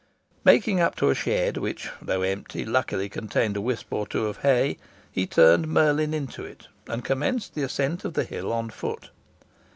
Making up to a shed, which, though empty, luckily contained a wisp or two of hay, he turned Merlin into it, and commenced the ascent of the hill on foot.